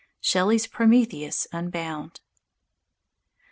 _" _Shelley's "Prometheus Unbound."